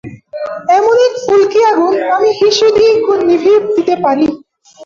এমন এক ফুলকি আগুন আমি হিসু করে নিভিয়ে দিতে পারি।